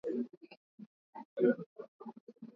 Tumbo kuvimba hasa miongoni mwa ndama